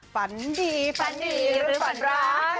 ฝันดีฝันดีหรือฝันร้าย